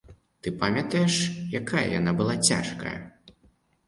Ты памятаеш, якая яна была цяжкая?